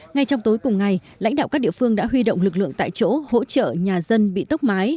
ngay trong tối cùng ngày lãnh đạo các địa phương đã huy động lực lượng tại chỗ hỗ trợ nhà dân bị tốc mái